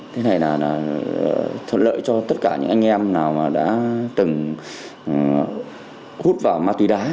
thế này là thuận lợi cho tất cả những anh em nào mà đã từng hút vào ma túy đá